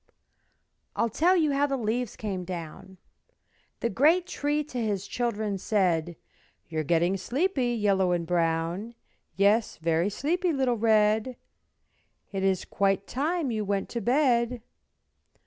I'll tell you how the leaves came down. The great Tree to his children said, "You're getting sleepy, Yellow and Brown, Yes, very sleepy, little Red; It is quite time you went to bed."